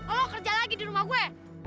oh kerja lagi di rumah gue